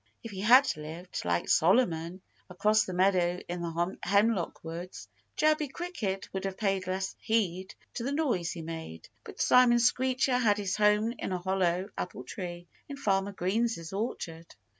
If he had lived, like Solomon, across the meadow in the hemlock woods, Chirpy Cricket would have paid less heed to the noise he made. But Simon Screecher had his home in a hollow apple tree in Farmer Green's orchard.